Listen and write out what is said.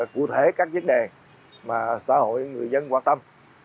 cụ thể các vấn đề mà xã hội người dân quan tâm